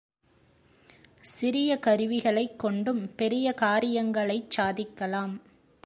சிறிய கருவிகளைக் கொண்டும் பெரிய காரியங்களைச் சாதிக்கலாம்.